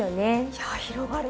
いや広がる！